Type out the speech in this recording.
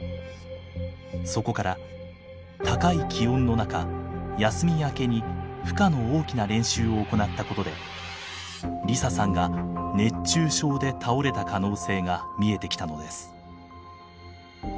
そこから高い気温の中休み明けに負荷の大きな練習を行ったことで梨沙さんが熱中症で倒れた可能性が見えてきたのです。